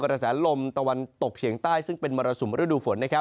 กระแสลมตะวันตกเฉียงใต้ซึ่งเป็นมรสุมฤดูฝน